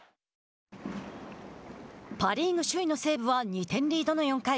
パ・リーグ首位の西武は２点リードの４回。